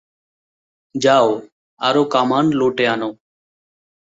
যাও, আরো কামান লুটে আনো।